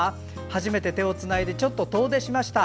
初めて手をつないでちょっと遠出しました。